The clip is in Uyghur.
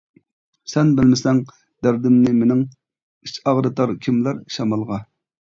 سەن بىلمىسەڭ دەردىمنى مېنىڭ، ئىچ ئاغرىتار كىملەر شامالغا.